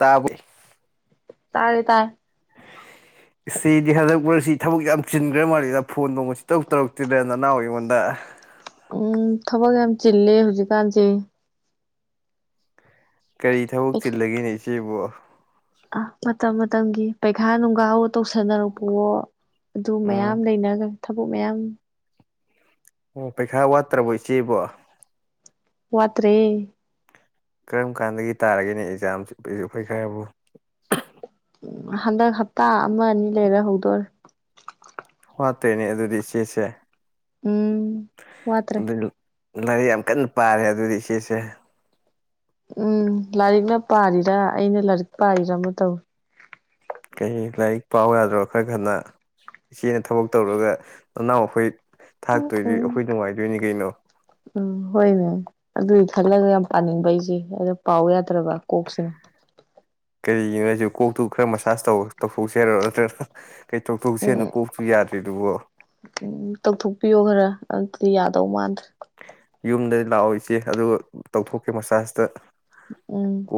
ꯇꯥꯕ ꯇꯥꯔꯦ ꯇꯥꯏ ꯁꯤꯗꯤ ꯍꯟꯗꯛꯄꯁꯤ ꯊꯕꯛ ꯌꯥꯝ ꯆꯤꯟꯈ꯭ꯔ ꯃꯥꯜꯂꯤꯗ ꯐꯣꯟ ꯊꯣꯡꯕ ꯁꯤ ꯇꯔꯛ ꯇꯧꯔꯛꯇꯦꯗ ꯅꯅꯥꯎ ꯑꯩꯉꯣꯟꯗ ꯎꯝ ꯊꯕꯛ ꯌꯥꯝ ꯆꯤꯜꯂꯦ ꯍꯧꯖꯤꯛꯀꯥꯟꯁꯦ ꯀꯔꯤ ꯊꯕꯛ ꯆꯤꯜꯂꯒꯦꯅꯤ ꯁꯤꯕꯣ ꯑ ꯃꯇꯝ ꯃꯇꯝꯒꯤ ꯄꯩꯈꯥ ꯅꯨꯡꯒꯥ ꯇꯧꯁꯟꯅꯔꯛꯄꯋꯣ ꯑꯗꯨ ꯃꯌꯥꯝ ꯎꯝ ꯂꯩꯅꯈ꯭ꯔꯦ ꯊꯕꯛ ꯃꯌꯥꯝ ꯑꯣ ꯄꯩꯈꯥ ꯋꯥꯠꯇ꯭ꯔꯕꯣ ꯏꯆꯦꯕꯣ ꯋꯥꯇ꯭ꯔꯦ ꯀꯔꯝ ꯀꯥꯟꯗꯒꯤ ꯇꯥꯔꯒꯦꯅꯦ ꯑꯦꯛꯖꯥꯝꯁꯤ ꯄꯩꯈꯥꯕꯣ ꯑꯍ ꯎ ꯍꯟꯗꯛ ꯍꯞꯇꯥ ꯑꯃ ꯑꯅꯤ ꯂꯩꯔ ꯍꯧꯗꯣꯔꯦ ꯄꯇꯦꯅꯦ ꯑꯗꯨꯗꯤ ꯏꯆꯦꯁꯦ ꯎꯝ ꯋꯥꯇ꯭ꯔꯦ ꯑꯗꯨ ꯂꯥꯏꯔꯤꯛ ꯌꯥꯝ ꯀꯟꯅ ꯄꯥꯔꯦ ꯑꯗꯨꯗꯤ ꯏꯆꯦꯁꯦ ꯎꯝ ꯂꯥꯏꯔꯤꯛꯅ ꯄꯥꯔꯤꯔꯥ ꯑꯩꯅ ꯂꯥꯏꯔꯤꯛ ꯄꯥꯔꯤꯔꯥ ꯑꯃ ꯇꯧꯏ ꯀꯩ ꯂꯥꯏꯔꯤꯛ ꯄꯥꯎ ꯌꯥꯗ꯭ꯔꯣ ꯈꯔ ꯈꯅ ꯏꯆꯦꯅ ꯊꯕꯛ ꯇꯧꯔꯒ ꯅꯅꯥꯎ ꯑꯩꯈꯣꯏ ꯊꯥꯛꯇꯣꯏꯗꯤ ꯑꯩꯈꯣꯏ ꯅꯨꯡꯉꯥꯏꯗꯣꯏꯅꯤ ꯀꯩꯅꯣ ꯎꯝ ꯍꯣꯏꯕ ꯑꯗꯨꯒꯤ ꯈꯜꯂꯒ ꯌꯥꯝ ꯄꯥꯅꯤꯡꯕ ꯑꯩꯁꯦ ꯑꯗꯣ ꯄꯥꯎ ꯌꯥꯗꯦ ꯅꯠꯇ꯭ꯔꯕ ꯀꯣꯛꯁꯤꯅ ꯁꯨ ꯀꯣꯛꯇꯨ ꯈꯔ ꯃꯁꯥꯥꯁ ꯇꯧꯊꯣꯛꯆꯦ ꯍꯥꯏꯔꯣ ꯅꯠꯇ꯭ꯔꯒꯅ ꯎꯝ ꯎꯝ ꯇꯧꯊꯣꯛꯄꯤꯌꯣ ꯈꯔ ꯑꯗꯨꯗꯤ ꯌꯥ ꯇꯧꯃꯥꯟ ꯌꯨꯝꯗ ꯂꯥꯛꯑꯣ ꯏꯆꯦ ꯑꯗꯨꯒ ꯇꯧꯊꯣꯛꯀꯦ ꯃꯁꯖꯇ ꯎꯝ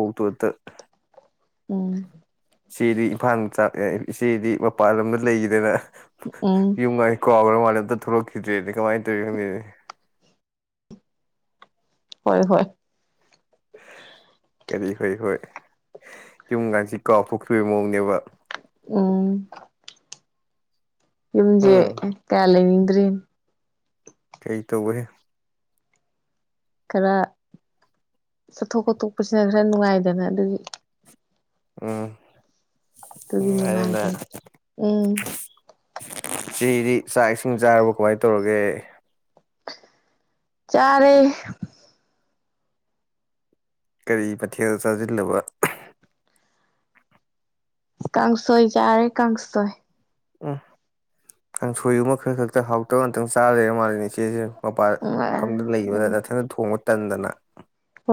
ꯎꯝ ꯏꯆꯦꯗꯤ ꯏꯝꯐꯥꯜ ꯃꯆꯥ ꯑꯦ ꯏꯆꯦꯗꯤ ꯃꯄꯥꯟ ꯂꯝꯗ ꯂꯩꯈꯤꯗꯅ ꯎꯝ ꯏꯃꯥꯏ ꯀꯥꯟꯒꯔꯒ ꯃꯥꯜꯂꯦꯅꯦ ꯑꯝꯇ ꯊꯣꯛꯂꯛꯈꯤꯗ꯭ꯔꯦꯅꯦ ꯀꯃꯥꯏ ꯇꯧꯔꯤꯅꯣ ꯈꯪꯗꯦꯅꯦ ꯍꯣꯏ ꯍꯣꯏ ꯀꯔꯤ ꯍꯣꯏ ꯍꯣꯏ ꯌꯨꯝ ꯀꯥꯟꯁꯤ ꯀꯥꯎꯊꯣꯛꯈꯤꯕꯩ ꯃꯑꯣꯡꯅꯦꯕ ꯎꯝ ꯌꯨꯝꯖꯦ ꯎꯝ ꯀꯌꯥ ꯂꯩꯅꯤꯡ ꯗ꯭ꯔꯦꯅꯦ ꯀꯩ ꯇꯧꯕꯩ ꯈꯔ ꯆꯠꯊꯣꯛ ꯈꯣꯠꯇꯣꯛꯄꯁꯤꯅ ꯈꯔ ꯅꯨꯡꯉꯥꯏꯗꯅ ꯑꯗꯨꯒꯤ ꯑꯣ ꯑꯗꯨꯨꯒꯤ ꯅꯨꯡꯉꯥꯏꯕꯅꯤ ꯎꯝ ꯉꯁꯤꯒꯤꯗꯤ ꯆꯥꯛ ꯏꯁꯤꯡ ꯆꯥꯔꯕꯣ ꯀꯃꯥꯏ ꯇꯧꯔꯒꯦ ꯆꯥꯔꯦ ꯀꯔꯤ ꯃꯊꯦꯜ ꯆꯥꯖꯤꯜꯂꯕ ꯀꯥꯡꯁꯣꯏ ꯆꯥꯔꯦ ꯀꯥꯡꯁꯣꯏ ꯎꯝ ꯀꯥꯡꯁꯣꯏꯒꯨꯝꯕ ꯈꯔ ꯈꯛꯇ ꯍꯥꯎꯇꯒ ꯉꯇꯪ ꯆꯥ ꯂꯩꯔꯥ ꯃꯥꯜꯂꯦꯅꯦ ꯏꯆꯦꯁꯦ ꯃꯄꯥꯥꯟ ꯀꯝꯗ ꯎꯝ ꯂꯩꯕꯗ ꯎꯝ ꯅꯊꯟꯇ ꯊꯣꯡꯕ ꯇꯟꯗꯅ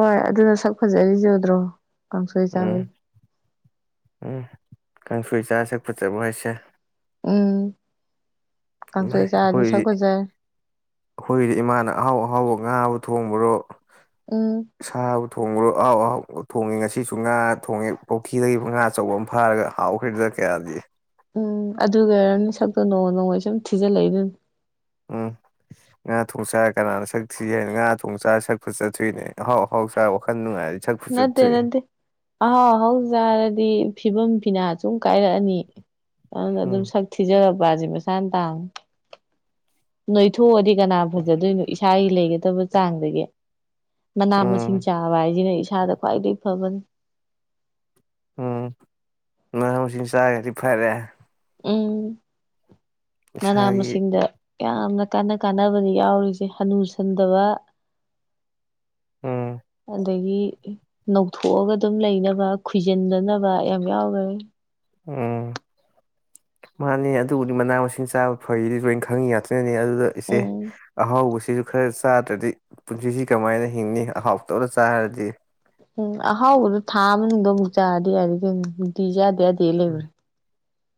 ꯍꯣꯏ ꯑꯗꯨꯅ ꯁꯛ ꯐꯖꯔꯤꯁꯦ ꯎꯗ꯭ꯔꯣ ꯀꯥꯡꯁꯣꯏ ꯎꯝ ꯆꯥꯕꯩ ꯎꯝ ꯀꯥꯡꯁꯣꯏ ꯆꯥꯔ ꯁꯛ ꯐꯖꯕ꯭ꯔꯣ ꯍꯥꯏꯁꯦ ꯎꯝ ꯥꯏꯃꯥꯢ ꯀꯥꯡꯁꯣꯏ ꯆꯥꯔꯗꯤ ꯑꯩꯈꯣꯏꯗꯤ ꯁꯛ ꯐꯖꯔꯦ ꯑꯩꯈꯣꯏꯒꯤꯗꯤ ꯏꯃꯥꯅ ꯑꯍꯥꯎ ꯑꯍꯥꯎꯕ ꯉꯥꯕꯨ ꯊꯣꯡꯕꯔꯣ ꯎꯝ ꯊꯣꯡꯕꯔꯣ ꯑꯍꯥꯎ ꯑꯍꯥꯎ ꯊꯣꯡꯉꯦ ꯉꯁꯤꯁꯨ ꯉꯥ ꯊꯣꯡꯉꯦ ꯄꯨꯈꯤꯗꯒꯤ ꯉꯥ ꯑꯆꯧꯕ ꯑꯃ ꯐꯥꯔꯒ ꯍꯥꯎꯈ꯭ꯔꯦꯗꯅ ꯀꯌꯥꯗꯤ ꯎꯝ ꯑꯗꯨ ꯑꯣꯏꯔꯝꯅꯤ ꯁꯛꯇꯣ ꯅꯣꯡꯃ ꯅꯣꯡꯃꯒꯤ ꯁꯨꯝ ꯊꯤꯖꯤꯜꯂꯛꯏꯗꯨꯅꯤ ꯎꯝ ꯉꯥ ꯊꯣꯡ ꯆꯥꯔ ꯀꯅꯥꯅ ꯁꯛ ꯊꯤ ꯍꯥꯏꯅ ꯉꯥ ꯊꯣꯡ ꯆꯥꯔ ꯁꯛꯄ ꯐꯖꯊꯣꯛꯢꯅꯦ ꯑꯍꯥꯎ ꯑꯍꯥꯎ ꯆꯥꯔꯥ ꯋꯥꯈꯟ ꯅꯨꯡꯉꯥꯏꯔꯤ ꯅꯠꯇꯦ ꯅꯠꯇꯦ ꯑꯍꯥꯎ ꯑꯍꯥꯎꯆꯥꯔꯗꯤ ꯐꯤꯕꯝ ꯐꯤ ꯐꯤꯅꯥ ꯁꯨꯝ ꯀꯥꯏꯔꯛꯑꯅꯤ ꯑꯗꯨꯅ ꯎꯝ ꯑꯗꯨꯝ ꯁꯛ ꯊꯤꯖꯔ ꯄꯥꯁꯦ ꯃꯁꯥꯅ ꯇꯥꯡꯕꯄꯦ ꯅꯣꯏꯊꯣꯛꯑꯗꯤ ꯀꯅꯥ ꯐꯖꯗꯣꯏꯅꯣ ꯏꯁꯥꯒꯤ ꯂꯩꯒꯗꯕ ꯆꯥꯡꯗꯒꯤ ꯃꯅꯥ ꯃꯁꯤꯡ ꯎꯝ ꯆꯥꯕ ꯍꯥꯏꯁꯤꯅ ꯢꯁꯥ ꯁꯥꯗ ꯈ꯭ꯋꯥꯏꯗꯩ ꯐꯕꯅꯤ ꯎꯝ ꯃꯅꯥ ꯃꯁꯤꯡ ꯆꯥꯒꯗꯤ ꯐꯔꯦ ꯎꯝ ꯃꯅꯥ ꯏꯁꯥꯒꯤ ꯃꯁꯤꯡꯗ ꯌꯥꯝꯅ ꯀꯥꯟꯅ ꯀꯥꯟꯅꯕꯅꯤ ꯌꯥꯎꯔꯤꯁꯦ ꯍꯥꯅꯨꯁꯟꯗꯕ ꯎꯝ ꯑꯗꯒꯤ ꯅꯧꯊꯣꯛꯑꯒ ꯑꯗꯨꯝ ꯂꯩꯅꯕ ꯈꯣꯏꯖꯤꯟꯗꯅꯕ ꯌꯥꯝ ꯌꯥꯎꯈꯔꯦ ꯎꯝ ꯃꯥꯅꯦ ꯑꯗꯨꯕꯨꯗꯤ ꯃꯅꯥ ꯃꯁꯤꯡ ꯆꯥꯕ ꯐꯩꯗꯤ ꯂꯣꯏꯅ ꯈꯪꯉꯤ ꯉꯥꯛꯇ꯭ꯅꯅꯦ ꯑꯗꯨ ꯏꯦ ꯎꯝ ꯑꯍꯥꯎ ꯄꯨꯟꯁꯤꯁꯨ ꯈꯔ ꯆꯥꯗ꯭ꯔꯗꯤ ꯄꯨꯟꯁꯤꯁꯤ ꯀꯃꯥꯏꯅ ꯍꯤꯡꯅꯤ ꯑꯍꯥꯎꯇꯧꯅ ꯆꯥꯈꯔꯗꯤ ꯎꯝ ꯑꯍꯥꯎꯕꯗꯣ ꯊꯥ ꯑꯃꯗꯣ ꯑꯃꯨꯛ ꯆꯥꯔꯗꯤ ꯌꯥꯔꯗꯤ ꯃꯗꯤ ꯂꯩ ꯏꯕꯦ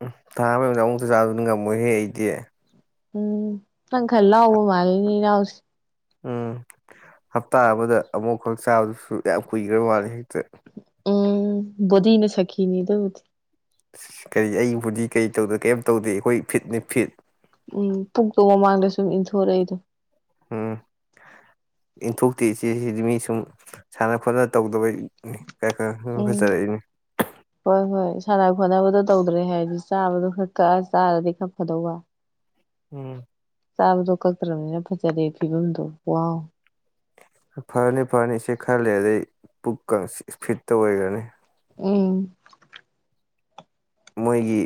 ꯎꯝ ꯊꯥ ꯑꯃꯒꯤꯗ ꯑꯃꯨꯛꯇ ꯆꯥꯗꯨꯅ ꯉꯝꯃꯣꯏꯍꯦ ꯑꯩꯗꯤ ꯎꯝ ꯄꯪ ꯈꯔ ꯂꯥꯎꯕ ꯃꯥꯒꯤꯅꯤ ꯂꯁꯤ ꯎꯝ ꯍꯞꯇꯥ ꯑꯃꯗ ꯑꯃꯨꯛꯈꯛ ꯆꯥꯕꯗꯨꯁꯨ ꯌꯥꯝ ꯀꯨꯏꯈ꯭ꯔ ꯃꯥꯂꯦ ꯍꯦꯛꯇ ꯎꯝ ꯅ ꯁꯈꯈꯤꯅꯤꯗꯗꯤ ꯑ ꯀꯔꯤ ꯑꯩꯕꯨꯗꯤ ꯀꯔꯤ ꯇꯧꯗꯦ ꯀꯔꯤꯝ ꯇꯧꯗꯦ ꯑꯩꯈꯣꯏ ꯐꯤꯠꯅꯤ ꯐꯤꯠ ꯎꯝ ꯄꯨꯛꯇꯣ ꯃꯃꯥꯡꯗ ꯁꯨꯝ ꯏꯟꯊꯣꯔꯛꯏꯗꯣ ꯎꯝ ꯏꯟꯊꯣꯛꯇꯤ ꯏꯆꯦꯁꯤꯗꯤ ꯃꯤ ꯁꯨꯝ ꯁꯥꯟꯅ ꯈꯣꯠꯅ ꯇꯧꯗꯕ ꯎꯝ ꯍꯣꯏ ꯍꯣꯏ ꯁ ꯍꯣꯠꯅꯕꯗꯣ ꯇꯧꯗ꯭ꯔꯦ ꯍꯥꯏꯗꯤ ꯆꯥꯕꯗꯣ ꯈꯔ ꯀꯛꯑ ꯆꯥꯔꯗꯤ ꯈꯛ ꯐꯗꯧꯕ ꯎꯝ ꯆꯥꯕꯗꯣ ꯀꯛꯇ꯭ꯔꯕꯅꯤꯅ ꯐꯖꯗꯦ ꯐꯤꯕꯝꯗꯣ ꯋꯥꯎ ꯐꯔꯅꯤ ꯐꯔꯅꯤ ꯁꯤ ꯈꯜꯂꯦ ꯑꯗꯩ ꯄꯨꯛ ꯐꯤꯠꯇ ꯑꯣꯏꯈ꯭ꯔꯅꯤ ꯎꯝ ꯃꯣꯏꯒꯤ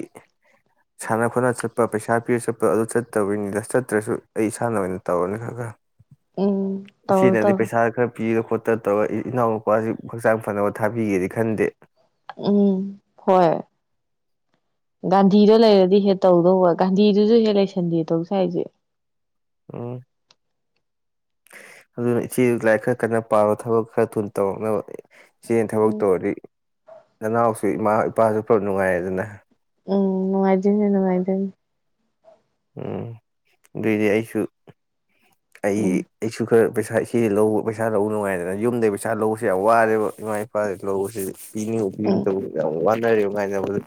ꯁꯥꯟꯅ ꯈꯣꯠꯅ ꯆꯠꯄ ꯄꯩꯁꯥ ꯄꯤꯔ ꯆꯠꯄ ꯑꯗꯨ ꯆꯠꯇꯕꯅꯤ ꯂꯁ ꯆꯠꯇ꯭ꯔꯁꯨ ꯑꯩ ꯏꯁꯥꯅ ꯑꯣꯏꯅ ꯇꯧꯔꯅꯤ ꯈꯔ ꯈꯔ ꯎꯝ ꯇꯧꯔꯗꯣ ꯄꯤꯔꯒ ꯈꯣꯠꯇ ꯇꯧꯔ ꯏꯅꯥꯎ ꯅꯨꯄꯥꯁꯤ ꯍꯛꯆꯥꯡ ꯐꯅꯕ ꯊꯥꯕꯤꯒꯦꯗꯤ ꯈꯟꯗꯦ ꯎꯝ ꯍꯣꯏ ꯒꯥꯟꯙꯤꯗ ꯂꯩꯔꯗꯤ ꯍꯦꯛ ꯇꯧꯗꯧꯕ ꯒꯥꯟꯙꯤꯗꯨꯁꯨ ꯍꯦꯛ ꯂꯩꯁꯟꯗꯦ ꯇꯧꯁ ꯍꯥꯏꯁꯦ ꯎꯝ ꯑꯗꯨꯅ ꯏꯆꯦ ꯂꯥꯏꯔꯤꯛ ꯈꯔ ꯀꯟꯅ ꯄꯥꯔꯣ ꯊꯕꯛ ꯈꯔ ꯊꯨꯅ ꯇꯧꯔꯛꯅꯕ ꯆꯦ ꯊꯕꯛ ꯎꯝ ꯇꯧꯗꯤ ꯅꯅꯥꯎ ꯑꯩꯈꯣꯏ ꯏꯃꯥ ꯏꯄꯥꯁꯨ ꯄꯨꯂꯞ ꯅꯨꯡꯉꯥꯏꯔꯦꯗꯅ ꯎꯝ ꯅꯨꯡꯉꯥꯏꯖꯅꯦ ꯅꯨꯡꯉꯥꯏꯗꯨꯅꯤ ꯎꯝ ꯑꯗꯨꯑꯣꯏꯗꯤ ꯑꯩꯁꯨ ꯑꯩ ꯎꯝ ꯑꯩꯁꯨ ꯈꯔ ꯄꯩꯁꯥ ꯏꯆꯦ ꯂꯧ ꯂꯧꯕ ꯄꯩꯁꯥ ꯂꯧꯕ ꯅꯨꯡꯉꯥꯏꯗꯅ ꯌꯨꯝꯗꯒꯤ ꯄꯩꯁꯥ ꯂꯧꯕꯁꯦ ꯌꯥꯝ ꯋꯥꯔꯦꯕ ꯏꯃꯥ ꯄꯥ ꯂꯧꯕꯁꯤ ꯄꯤꯅꯤꯡꯒꯨꯝ ꯎꯝ ꯄꯤꯅꯤꯡꯗꯒꯨꯝ ꯇꯧꯕ ꯌꯥꯝ ꯋꯥ [unintelligible] ꯖꯕꯗ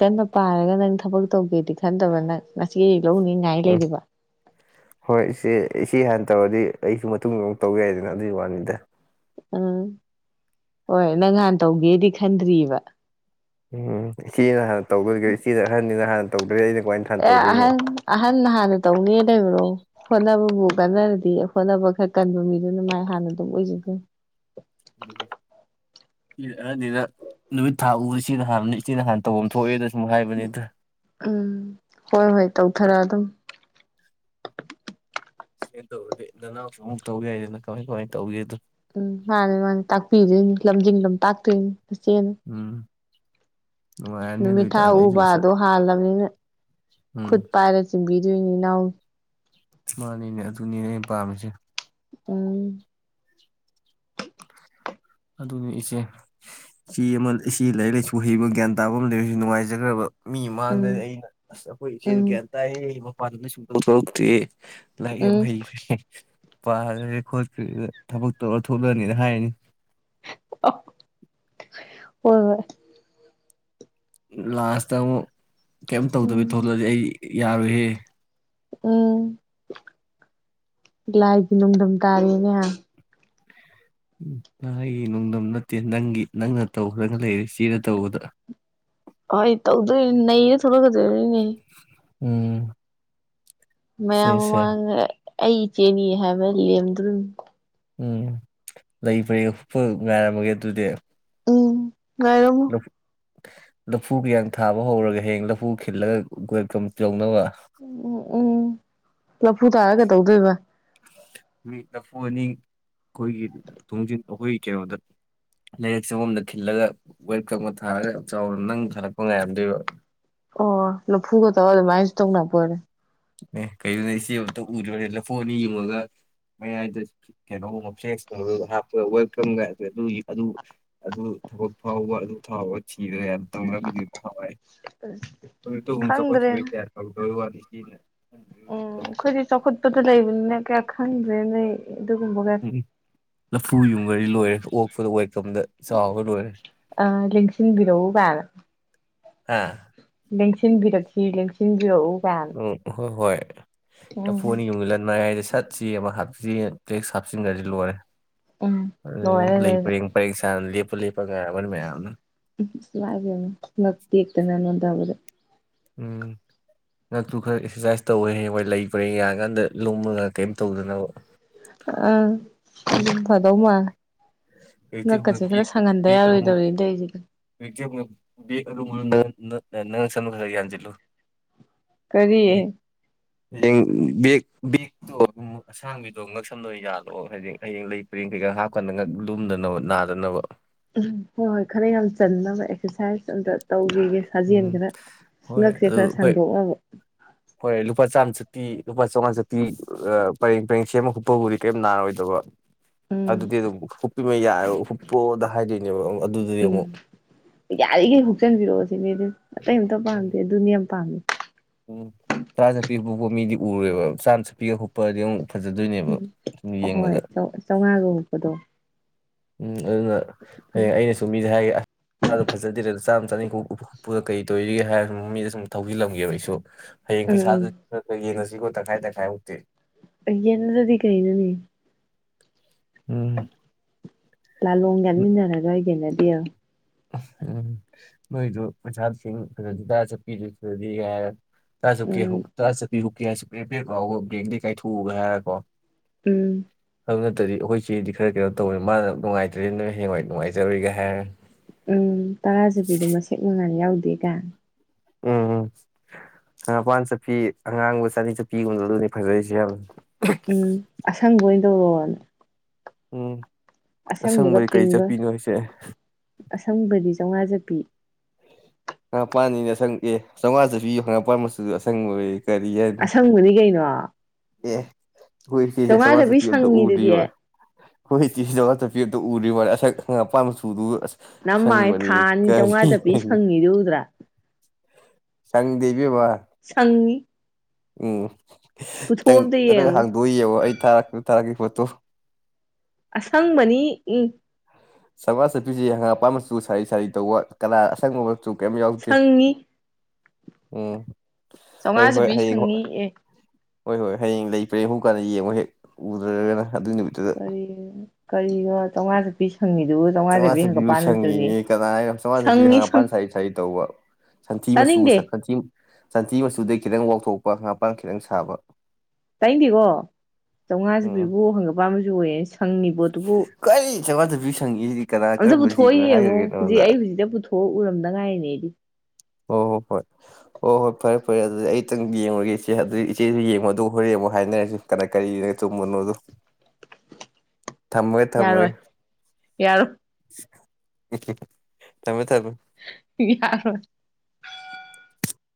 ꯀꯟꯕ ꯄꯥꯔꯒ ꯅꯪ ꯊꯕꯛ ꯇꯧꯒꯦꯗꯤ ꯈꯟꯗꯕ ꯅꯪ ꯉꯁꯤ ꯂꯧꯅꯤ ꯉꯥꯏ ꯎꯝ ꯂꯩꯗꯕ ꯍꯣꯏ ꯏꯆꯦ ꯏꯆꯦ ꯍꯥꯟꯅ ꯇꯧꯔꯗꯤ ꯑꯩꯁꯨ ꯃꯇꯨꯡꯗ ꯑꯃꯨꯛ ꯇꯧ ꯌꯥꯏꯗꯅ ꯑꯗꯨꯒꯤ ꯋꯥꯅꯤꯗ ꯎꯝ ꯍꯣꯏ ꯅꯪꯍꯥꯟ ꯇꯧꯒꯦꯗꯤ ꯈꯟꯗ꯭ꯔꯤꯕ ꯎꯝ ꯏꯆꯦꯅ ꯍꯥꯟꯅ ꯇꯧꯕ ꯏꯆꯦꯅ ꯑꯍꯟꯅꯤꯅ ꯍꯥꯟꯅ ꯇꯧꯗ꯭ꯔꯦ ꯑꯩꯅ ꯀꯃꯥꯏꯅ ꯍꯥꯟꯅ ꯑꯦ ꯇꯧꯗꯣꯏꯅꯣ ꯑꯍꯟ ꯑꯍꯟ ꯅ ꯍꯥꯟꯅ ꯇꯧꯅꯤ ꯂꯩꯕ꯭ꯔꯣ ꯍꯣꯠꯅꯕ ꯕꯨ ꯀꯟꯅꯔꯗꯤ ꯍꯣꯠꯅꯕ ꯈꯔ ꯀꯟꯕ ꯃꯤꯗꯨꯅ ꯃꯥꯏ ꯍꯥꯟꯅ ꯑꯗꯨꯝ ꯑꯣꯏꯖꯒꯅꯤ ꯏꯔꯑꯅꯤꯅ ꯅꯨꯃꯤꯠ ꯊꯥ ꯎꯕ ꯢꯆꯦꯅ ꯍꯥꯟꯕꯅꯦ ꯏꯆꯦꯅ ꯍꯥꯟ ꯇꯧꯕꯝ ꯊꯣꯛꯑꯦꯗ꯫ ꯎꯝ ꯍꯣꯏ ꯍꯣꯏ ꯇꯧꯊꯔ ꯎꯝ꯫ ꯁꯦꯌꯔ ꯇꯧꯔꯗꯤ ꯅꯅꯥꯎꯁꯨ ꯑꯃꯨꯛ ꯇꯧ ꯍꯥꯏꯗꯅ ꯀꯃꯥꯏ ꯀꯃꯥꯏ ꯇꯧꯒꯦꯗꯣ꯫ ꯎꯝ ꯃꯥꯅꯦ ꯃꯥꯅꯦ ꯇꯥꯛꯄꯤꯗꯣꯏꯅꯤ ꯂꯝꯖꯤꯡ ꯂꯝꯇꯥꯛꯇꯣꯏꯅꯤ꯫ ꯐꯆꯦꯝ ꯎꯝ ꯅꯨꯡꯉꯥꯏꯔꯅꯤ ꯑꯗꯨ ꯅꯨꯃꯤꯠ ꯊꯥ ꯑꯣꯏꯇꯥꯔꯗꯤ ꯑꯩꯁꯨ ꯁꯠ ꯎꯕꯥꯗꯣ ꯍꯥꯜꯂꯕꯅꯤꯅ ꯈꯨꯠ ꯎꯝ ꯄꯥꯏꯔ ꯆꯤꯡꯕꯤ ꯨꯅꯤ ꯅꯅꯥꯎ ꯃꯥꯅꯤꯅꯦ ꯑꯗꯨꯅꯤꯅꯦ ꯑꯩ ꯄꯥꯝꯃꯤꯁꯦ꯫ ꯎꯝ꯫ ꯑꯗꯨꯅꯤ ꯏꯆꯦ, ꯏꯆꯦ ꯑꯃ ꯏꯆꯦ ꯂꯥꯏꯔꯤꯛ ꯂꯥꯏꯁꯨ ꯍꯩꯕ ꯒ꯭ꯌꯥꯟ ꯇꯥꯕ ꯑꯝ ꯂꯩꯔꯤꯁꯦ ꯅꯨꯡꯉꯥꯏꯖꯒ꯭ꯔꯕ꯫ ꯃꯤ ꯎꯝ ꯃꯥꯡꯗꯅꯤ ꯑꯩꯅ ꯑꯁ ꯑꯈꯣꯏ ꯏꯆꯦꯗꯣ ꯎꯝ ꯒ꯭ꯌꯥꯟ ꯇꯥꯏꯌꯦ [inaudible] ꯋꯥ ꯑꯗꯨꯅ ꯁꯤꯛ ꯍꯇ ꯂꯥꯏꯔꯤꯛ ꯌꯥꯝ ꯎꯝ ꯍꯩꯈ꯭ꯔꯦ ꯄꯥꯈ꯭ꯔꯦ ꯈꯣꯠꯈ꯭ꯔꯦ ꯊꯕꯛ ꯇꯧꯔ ꯊꯣꯛꯂꯅꯤꯅ ꯍꯥꯏꯅꯤ ꯍꯣꯏ ꯍꯣꯏ ꯂꯥꯁ ꯇꯥ ꯑꯃꯨꯛ ꯀꯩꯝ ꯇꯧꯗꯕꯤ ꯎꯝ ꯊꯣꯛꯂꯛꯗꯤ ꯑꯩ ꯌꯥꯔꯣꯏꯍꯦ ꯎꯝ ꯂꯥꯏꯒꯤ ꯅꯨꯡꯗꯝ ꯇꯥꯔꯦꯅꯦ ꯂꯥꯏꯒꯤ ꯅꯨꯡꯗꯝ ꯅꯠꯇꯦ ꯅꯪꯒꯤ ꯅꯪꯅ ꯇꯧꯈ꯭ꯔꯅ ꯂꯩꯔꯦ ꯆꯦꯅ ꯇꯧꯒꯗ꯭ꯔꯥ ꯍꯣꯏ ꯇꯧꯗꯣꯏꯅꯦ ꯅꯩ ꯁꯃꯒꯗꯧꯅꯤꯅꯦ ꯎꯝ ꯃꯌꯥꯝ ꯏꯆꯦꯁꯦ ꯃꯃꯥꯡꯗ ꯑꯩ ꯏꯆꯦꯅꯤ ꯍꯥꯏꯕꯗ ꯂꯦꯝꯗꯣꯏꯅꯦ ꯎꯝ ꯂꯩ ꯄꯔꯦꯡ ꯍꯨꯛꯄ ꯉꯥꯏꯔꯝꯃꯒꯦ ꯑꯗꯨꯗꯤ ꯉꯥꯏꯔꯝꯃꯣ ꯂꯐꯨ ꯂꯐꯨ ꯈꯔꯌꯝ ꯊꯥꯕ ꯍꯧꯔꯒ ꯍꯌꯦꯡ ꯂꯐꯨ ꯈꯤꯜꯂꯒ ꯒꯋꯦꯜꯀꯝ ꯇꯧꯅꯕ ꯎꯝ ꯎꯝ ꯂꯐꯨ ꯇꯥꯔꯒ ꯀꯩꯗꯧꯗꯣꯏꯕ ꯃꯤ ꯂꯐꯨ ꯑꯅꯤ ꯑꯩꯈꯣꯏꯒꯤ ꯊꯣꯡꯖꯤꯟ ꯑꯩꯈꯣꯏꯒꯤ ꯀꯩꯅꯣꯗ ꯂꯩꯥꯏꯔꯛ ꯆꯪꯐꯝꯗ ꯈꯤꯜꯂꯒ ꯋꯦꯠ ꯀꯛꯃ ꯊꯥꯔꯒ ꯆꯥꯎꯅ ꯅꯪ ꯍꯜꯂꯛꯄ ꯉꯥꯏꯔꯝꯗꯣꯏꯕ ꯑꯣ ꯂꯐꯨꯒ ꯇꯧꯔꯒ ꯑꯗꯨꯧꯏ ꯇꯧꯅꯕꯣꯏꯔꯦ ꯑꯦ ꯀꯩꯅꯣꯅꯦ ꯏꯆꯦ ꯑꯃꯇ ꯎꯗ꯭ꯔꯅꯦ ꯂꯐꯨ ꯑꯅꯤ ꯌꯨꯡꯉꯒ ꯃꯌꯥꯏꯗ ꯀꯩꯅꯣꯒꯨꯝꯕ ꯐ꯭ꯂꯦꯛꯁ ꯍꯥꯞꯄ ꯋꯦꯜꯀꯝꯒ ꯑꯗꯨ ꯑꯗꯨ ꯊꯕꯛ ꯐꯥꯎꯕ ꯑꯗꯨ ꯐꯥꯎꯕ ꯊꯤꯔꯦ ꯇꯧꯅꯔꯝꯃꯤꯗꯨꯗꯤ ꯅꯍꯟꯋꯥꯏ [inaudible] ꯈꯪꯗ꯭ꯔꯦꯅ [unintelligible] ꯎꯝ ꯑꯩꯈꯣꯏꯗꯤ ꯆꯈꯨꯠꯄꯗ ꯂꯩꯕꯅꯤꯅ ꯀꯌꯥ ꯈꯪꯗꯔ꯭ꯦꯅꯦ ꯎꯝ ꯂꯐꯨ ꯌꯨꯝꯒꯔꯤ ꯂꯣꯏꯔꯦ ꯑꯣꯛ [unintelligible] ꯑ ꯂꯦꯡꯁꯤꯟꯕꯤꯔꯣ ꯒꯥꯅꯥ ꯑ ꯂꯦꯡꯁꯤꯟꯕꯤꯔꯛꯁꯤ ꯂꯦꯡꯁꯤꯟ ꯎꯝ ꯍꯣꯏ ꯍꯣꯏ [unintelligible] ꯎꯝ ꯂꯥꯐꯨ ꯅꯤ ꯌꯨꯡꯖꯜꯒꯥ ꯁꯠꯁꯤ ꯑꯃ ꯍꯥꯞ ꯇꯦꯛꯁ ꯍꯥꯞꯆꯤꯟꯈ꯭ꯔꯗꯤ ꯂꯣꯏꯔꯦ ꯎꯝ ꯑ ꯂꯣꯏꯔꯦ ꯂꯩ ꯑꯗꯩꯗ ꯄꯔꯦꯡ ꯄꯔꯦꯡ ꯁꯅꯞ ꯐꯂꯤ ꯄꯀꯥꯔꯒꯅꯤꯕ ꯌꯥꯅ [unintelligible] ꯎꯝ ꯉꯛꯇꯨ ꯈꯔ ꯑꯦꯛꯁꯔꯁꯥꯏꯁ ꯇꯧꯋꯦ ꯍꯌꯦꯡ ꯍꯣꯏ ꯂꯩꯕ꯭ꯔꯦ ꯌꯥꯡꯔꯀꯥꯟꯗ ꯂꯨꯝꯃꯒ ꯀꯩꯝ ꯇꯧꯗꯅꯕ ꯑ ꯐꯗꯧ ꯃꯜꯂꯦ ꯍꯧꯖꯤꯛꯇꯤ ꯍꯧꯅ ꯉꯛꯀꯁꯦ ꯕꯦꯛ ꯈꯔ ꯁꯪꯍꯟꯗ ꯕꯦꯛ ꯑꯔꯨꯝ ꯌꯥꯔꯣꯏꯗꯧꯔꯤꯅ ꯇꯧꯔꯤꯁꯦ [unintelligible] ꯀꯔꯤ ꯍꯌꯦꯡ ꯕꯦꯛ ꯕꯦꯛꯇꯣ ꯑꯁꯥꯡꯕꯤꯗꯣ ꯉꯛꯁꯝꯗꯣꯏ ꯌꯥꯜꯂꯣꯑꯣ ꯍꯥꯏꯌꯦꯡ ꯍꯌꯦꯡ ꯂꯩ ꯄꯔꯦꯡ ꯀꯩꯀꯥ ꯍꯥꯞꯀꯗ ꯉꯛ ꯂꯨꯝꯗꯅꯕ ꯅꯥꯗꯅꯕ ꯎꯝ ꯍꯣꯏ ꯍꯣꯏ ꯈꯅ ꯌꯥꯝ ꯆꯟꯅꯅꯕ ꯑꯦꯛꯁꯔꯁꯥꯏꯁ ꯑꯝꯇ ꯇꯧ ꯀꯒꯤ ꯁꯥꯖꯦꯜ ꯎꯝ ꯈꯔ ꯍꯣꯏ ꯉꯛꯁꯦ ꯑꯗꯨ ꯈꯔ ꯍꯣꯏ ꯁꯥꯡꯗꯣꯛꯑꯕ ꯆꯛꯇꯤ ꯂꯨꯄꯥ ꯆꯥꯝꯃꯉꯥ ꯆꯇꯤ ꯄꯔꯦꯡ ꯄꯔꯦꯡ ꯁꯦꯝꯃ ꯍꯨꯄꯕꯨꯗꯤ ꯀꯔꯤꯝ ꯅꯥꯔꯣꯏꯗꯕ ꯎꯝ ꯑꯗꯨꯒꯤꯗꯨ ꯌꯥ ꯍꯨꯄꯣꯗ ꯍꯥꯏꯗꯤꯅꯦꯕꯥ ꯑꯃꯨꯛ ꯎꯝ ꯌꯥꯔꯤꯈꯩ ꯍꯨꯛꯆꯟꯕꯤꯔꯛꯑꯣ ꯗꯤ ꯑꯇꯩ ꯑꯝꯇ ꯄꯥꯝꯗꯦ ꯑꯗꯨꯅꯤ ꯌꯥꯝ ꯄꯥꯝꯃꯦ ꯄꯤꯛꯄ ꯃꯤꯗꯤ ꯎꯔꯦꯕ ꯆꯥꯟꯁꯨ ꯄꯤꯒ ꯈꯣꯠꯄꯗꯤꯛ ꯎꯝ ꯑꯍꯣꯏ ꯆꯥꯝꯃꯉꯥꯒ ꯍꯨꯕꯗꯣ ꯎꯝ ꯑꯗꯨꯅ ꯍꯌꯦꯡ ꯑꯩꯅꯁꯨ ꯃꯤꯗꯤ ꯍꯥꯏꯒꯦ ꯑꯁ ꯐꯖꯗꯔ ꯆꯥꯝ ꯆꯅꯤꯈꯥꯎꯄꯨꯗ ꯀꯔꯤ ꯇꯧꯔꯤꯒꯦ ꯍꯥꯏꯔ ꯃꯃꯤꯗ ꯁꯨꯝ ꯊꯧꯖꯤꯜꯂꯝꯒꯕ ꯑꯩꯁꯨ ꯍꯌꯦꯡ ꯎꯝ ꯄꯩꯁꯥꯗ ꯌꯦꯡꯉꯁꯤ ꯇ ꯈꯥꯏ ꯇ ꯈꯥꯏ ꯎꯇꯤ ꯌꯦꯅꯗꯤ ꯀꯩꯩꯅꯅꯤ ꯎꯝ ꯂꯜꯂꫭꯡ ꯌꯥꯠꯃꯤꯟꯅꯔꯒ ꯌꯦꯟꯅꯒꯦ [unintelligible] ꯎꯝ ꯅꯣꯏꯗꯨ ꯃꯆꯥꯁꯤꯡ ꯈ ꯗꯥ ꯆꯠꯄꯤꯗꯨꯗꯗꯤ ꯇꯖꯛꯀꯦ ꯍꯧ ꯎꯝ ꯇꯔꯥꯆꯞꯄꯤ [unintelligible] ꯎꯝ ꯑꯗꯨ ꯅꯠꯇꯗꯤ ꯑꯩꯈꯣꯏ ꯆꯦꯗꯤ ꯈꯔ ꯀꯩꯅꯣ ꯇꯧꯅꯤ ꯃꯥꯅ ꯅꯨꯡꯉꯥꯏꯇ꯭ꯔꯤꯕꯅꯤꯅ ꯍꯌꯦꯡꯋꯥꯏ ꯅꯨꯡꯉꯥꯏꯖꯔꯨꯔꯤꯒꯦ ꯍꯥꯏꯔꯦ ꯇꯔꯥ ꯆꯥꯄꯤꯗꯨ ꯃꯁꯦꯛ ꯃꯉꯥꯜ ꯌꯥꯎꯗ [unintelligible] ꯎꯝ ꯎꯝ ꯃꯄꯥꯟ ꯆꯠꯄꯤ ꯑꯉꯥꯡꯕ ꯆꯅꯤ ꯆꯠꯄꯤꯒꯨꯝꯕ ꯑꯗꯨꯅꯤ ꯐꯖꯔꯤꯁꯦ ꯌꯥꯝ ꯎꯝ [unintelligible] ꯎꯝ ꯑꯁꯪꯕꯒ ꯑꯁꯪꯕꯗꯤ ꯀꯔꯤ ꯄꯤꯡꯒ ꯆꯠꯄꯤꯅꯣ ꯍꯥꯏꯁꯦ ꯑꯁꯪꯕꯗꯤ ꯆꯥꯃꯉꯥꯖꯠꯄꯤ ꯉꯪ ꯄꯥꯟꯅꯤꯅꯦ ꯑꯁꯪ ꯑꯦ ꯆꯥꯝꯃꯉꯥꯁꯨ ꯄꯤꯌꯨ ꯍꯪ ꯄꯥꯟ ꯃꯆꯨ ꯑꯁꯪ ꯑꯣꯏ ꯀꯔꯤ ꯍꯥꯏꯅꯤ ꯑꯁꯪꯕꯅꯤ ꯀꯩꯅꯣ ꯑꯦ ꯍꯣꯏ ꯁꯤꯁꯦ ꯁꯋꯥ ꯆꯥꯝꯃꯉꯥ ꯁ ꯆꯠꯄꯤ ꯄꯤꯌꯣꯗ ꯁꯪꯉꯤꯗꯨꯗꯤ ꯎꯔ ꯍꯣꯏ ꯏ ꯆꯤꯖ ꯆ ꯄꯦꯇ ꯎꯔꯤꯕ ꯃ ꯑꯁꯛ ꯍꯪ ꯑꯄꯥ ꯁꯨꯗꯨ ꯑꯁ ꯅꯃꯥꯏ ꯑꯁꯪꯕꯅꯤ ꯊꯥ ꯑꯅꯤ ꯀꯔꯤ ꯆꯥꯝꯃꯉꯥ ꯆꯠꯄꯤ ꯁꯪꯉꯤꯗꯨ ꯎꯗ꯭ꯔꯥ ꯁꯪꯗꯦ ꯏꯕꯦꯝꯃ ꯁꯪꯉꯤ ꯎꯝ ꯄꯨꯊꯣꯛꯑꯣ ꯑꯝꯇ ꯇꯇ ꯌꯦꯡꯉꯨ ꯍꯥꯡꯗꯣꯛꯏꯑꯕꯣ ꯑꯩ ꯊꯥꯔꯛꯄ ꯊꯥꯔꯛꯈꯤ ꯄꯣꯠꯇꯣ ꯑꯁꯪꯕꯅꯤ ꯎꯝ ꯁꯃꯥꯖ ꯆꯠꯄꯤꯁꯤ ꯍꯪꯉꯥꯡ ꯑꯄꯥꯝ ꯃꯆꯨ ꯁꯥꯔꯤ ꯁꯥꯔꯤ ꯇꯧꯕ ꯀꯂꯥ ꯑꯁꯪꯕ ꯆꯨ ꯀꯃꯤ ꯌꯥꯎꯗꯤꯦ ꯁꯪꯉꯤ ꯎꯝ ꯍꯣꯏ ꯆꯥꯝꯃꯉꯥꯥꯁꯦ ꯍꯣꯏ ꯄ ꯍꯌꯦꯡ ꯁꯪꯅꯤ ꯑꯦ ꯍꯣꯏ ꯍꯣꯏ ꯍꯌꯦꯡ ꯂꯩ ꯄ꯭ꯔꯦꯡꯍꯨꯛꯀꯥꯟꯗ ꯌꯦꯡꯉ ꯍꯦꯛ ꯎꯗ꯭ꯔꯒꯅ ꯑꯗꯨꯏ ꯅꯨꯃꯤꯠꯇꯨꯗ ꯀꯔꯤ ꯀꯔꯤꯅꯣ ꯇꯥꯉꯥꯁꯨꯄꯤ ꯁꯪꯉꯤꯗꯨꯕꯨ ꯆꯥꯝꯃꯉꯥ ꯆꯠꯄꯤ ꯆꯄꯤꯌꯨ ꯍꯪꯒꯄꯥꯟ ꯃꯆꯨꯅꯤ ꯁꯪꯉꯤ ꯀꯅꯥꯅ ꯆꯥꯝꯃꯉꯥ ꯆꯟꯄꯤ ꯁꯪ ꯃꯄꯥꯥꯟ ꯁꯥꯔꯤ ꯁꯥ ꯇꯧꯕ ꯁꯟꯊꯤ ꯃꯆꯨ ꯇꯥꯅꯤꯡꯗꯦ ꯁꯟꯊꯤ ꯃꯆꯨ ꯑꯗꯨꯩ ꯈꯤꯇꯪ ꯋꯥꯥꯎꯊꯣꯛꯄ ꯉꯄꯥꯡ ꯈꯤꯇꯪ ꯁꯥꯕ ꯇꯥꯏꯗꯤꯀꯣ ꯆꯥꯝꯃꯉꯥꯁꯨ ꯎꯝ ꯄꯤꯕ ꯍꯪꯒꯄꯥ ꯑꯃꯁꯨ ꯑꯣꯏꯌꯦꯦ ꯁꯪꯉꯤꯕꯣ ꯑꯗꯨꯕꯨ ꯗꯕꯤ ꯆꯪ ꯑꯝꯇ ꯄꯨꯊꯣꯛꯑ ꯌꯦꯡꯉꯣ ꯍꯧꯖꯤꯛ ꯑꯩ ꯍꯧꯖꯤꯛꯇ ꯄꯨꯊꯣꯛꯑ ꯎꯔꯝꯗ ꯉꯥꯏꯔꯤꯅꯦꯗꯤ ꯍꯣꯏ ꯍꯣꯏ ꯍꯣꯏ ꯍꯣꯏ ꯍꯣꯏ ꯐꯔꯦ ꯐꯔꯦ ꯑꯗꯨꯗꯤ ꯑꯩꯇꯪ ꯌꯦꯡꯉꯨꯔꯒꯦ ꯏꯆꯦ ꯑꯗꯨꯗꯤ ꯏꯆꯦꯁꯨ ꯌꯦꯡꯉꯣꯗ ꯍꯣꯔꯦꯟ ꯑꯃꯨꯛ ꯍꯥꯏꯅꯔꯁꯤ ꯀꯅꯥ ꯀꯔꯤꯅꯣ ꯆꯨꯝꯕꯅꯣꯗ ꯊꯝꯃꯣꯏ ꯊꯝꯃꯣꯏ ꯌꯦꯔ [unintelligible] ꯌꯥꯔ